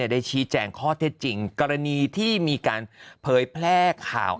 ได้ชี้แจงข้อเท็จจริงกรณีที่มีการเผยแพร่ข่าว